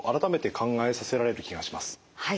はい。